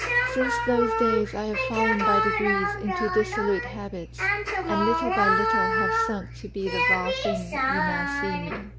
Since those days I have fallen by degrees info dissolute habits, and little by little have sunk to be the vile thing that you now see me."